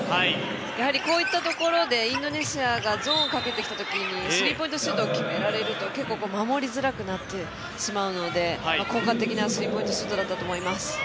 やはりこういったところでインドネシアがゾーンをかけてきたときにスリーポイントシュートを決められると、結構守りづらくなってしまうので効果的なスリーポイントシュートだったと思います。